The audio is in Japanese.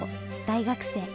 大学生。